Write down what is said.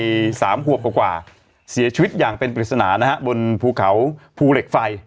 หญิงวัย๓หวบกว่าเสียชีวิตอย่างเป็นปริศนาบนภูเขาภูเหล็กไฟ